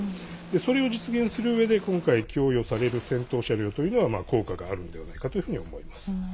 それを実現するうえで今回供与される戦闘車両というのは効果があるんではないかというふうに思います。